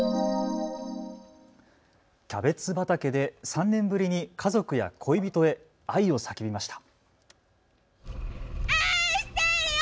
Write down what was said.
キャベツ畑で３年ぶりに家族や恋人へ愛を叫びました。